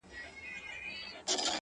رپا د سونډو دي زما قبر ته جنډۍ جوړه كړه،